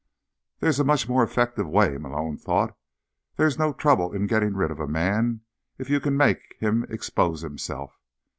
There's a much more effective way, Malone thought. _There's no trouble in getting rid of a man if you can make him expose himself.